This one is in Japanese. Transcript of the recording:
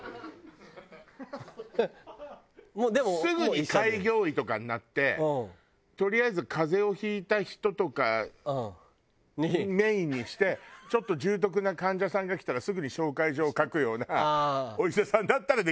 すぐに開業医とかになってとりあえず風邪を引いた人とかメインにしてちょっと重篤な患者さんが来たらすぐに紹介状を書くようなお医者さんだったらできるかもね。